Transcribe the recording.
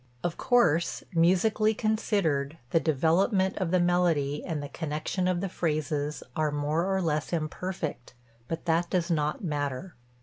Of course, musically considered, the development of the melody and the connection of the phrases are more or less imperfect; but that does not matter.